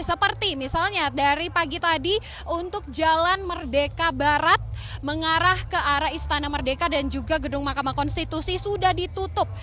seperti misalnya dari pagi tadi untuk jalan merdeka barat mengarah ke arah istana merdeka dan juga gedung mahkamah konstitusi sudah ditutup